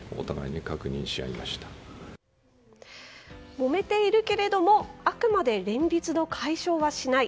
もめているけれどもあくまで連立の解消はしない。